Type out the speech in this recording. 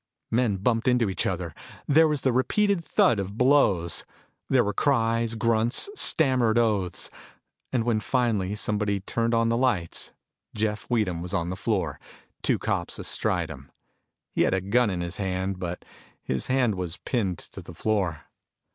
Men bumped into each other. There was the repeated thud of blows. There were cries, grunts, stammered oaths. And when finally somebody turned on the lights, Jeff Weedham was on the floor, two cops astride him. He had a gun in his hand, but his hand was pinned to the floor.